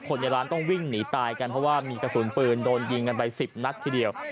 ในร้านต้องวิ่งหนีตายกันเพราะว่ามีกระสุนปืนโดนยิงกันไป๑๐นัดทีเดียว